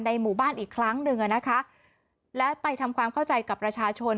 หมู่บ้านอีกครั้งหนึ่งอ่ะนะคะและไปทำความเข้าใจกับประชาชน